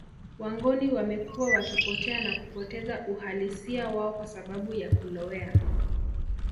Wangoni wamekuwa wakipotea na kupoteza uhalisia wao kwa sababu ya kulowea